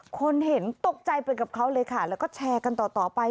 คนเห็นตกใจไปกับเขาเลยค่ะแล้วก็แชร์กันต่อไป